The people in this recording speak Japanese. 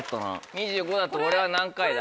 ２５だと俺は何回だ？